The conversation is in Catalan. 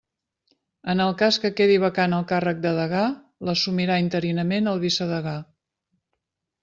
En el cas que quedi vacant el càrrec de degà, l'assumirà interinament el vicedegà.